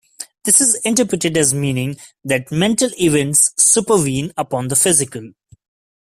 This is interpreted as meaning that mental events supervene upon the physical.